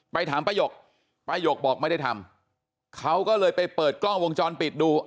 ถามป้ายกป้ายกบอกไม่ได้ทำเขาก็เลยไปเปิดกล้องวงจรปิดดู